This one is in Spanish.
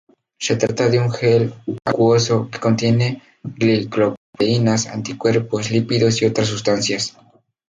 Se trata de un gel acuoso que contiene glicoproteínas, anticuerpos, lípidos y otras sustancias.